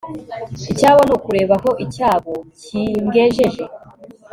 icyabo ni ukureba aho icyago kingejeje